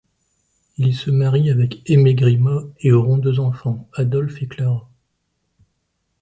Il se marie avec Aimée Grima et auront deux enfants, Adolphe et Clara.